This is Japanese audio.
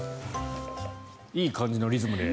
いい感じのリズムで。